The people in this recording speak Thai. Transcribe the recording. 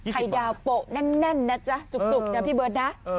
ไข่ดาวโปะแน่นนะจ๊ะจุกนะพี่เบิร์ตนะ